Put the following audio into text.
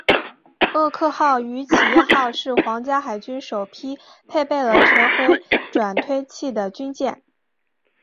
厄科号与企业号是皇家海军首批配备了全回转推进器的船舰。